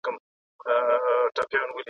د ښځو ونډه په روغتیايي چارو کي ډېره مهمه ده.